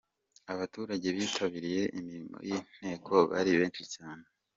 Abaturage bitabiriye imirimo y’inteko bari benshi cyane.